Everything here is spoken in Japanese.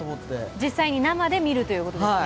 実際に生で見るということですね。